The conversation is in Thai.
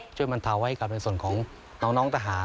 ช่วยบรรเทาให้กับส่วนของน้องทหาร